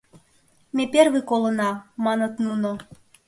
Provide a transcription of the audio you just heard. Ме первый колына», — маныт нуно.